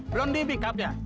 belum di pick up ya